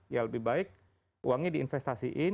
ya lebih baik uangnya diinvestasiin